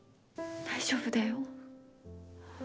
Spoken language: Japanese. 大丈夫だよ。